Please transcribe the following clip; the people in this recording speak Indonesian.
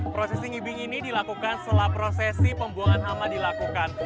prosesi ngibing ini dilakukan setelah prosesi pembuangan hama dilakukan